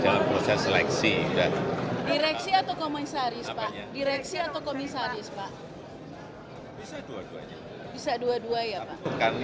dalam proses seleksi dan direksi atau komisaris pak direksi atau komisaris pak bisa dua duanya